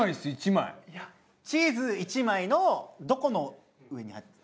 チーズ１枚のどこの上に入ってる？